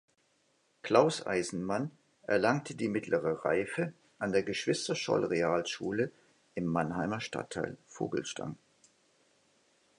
Claus Eisenmann erlangte die Mittlere Reife an der Geschwister-Scholl-Realschule im Mannheimer Stadtteil Vogelstang.